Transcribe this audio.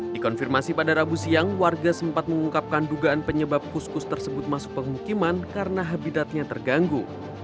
dikonfirmasi pada rabu siang warga sempat mengungkapkan dugaan penyebab kus kus tersebut masuk pemukiman karena habitatnya terganggu